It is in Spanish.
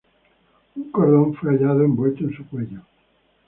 Un cordón fue hallado envuelto en su cuello.